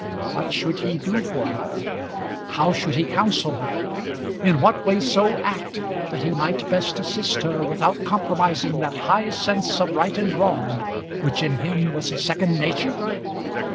What should he do for her? How should he counsel her? In what way so act that he might best assist her without compromising that high sense of right and wrong which in him was a second nature.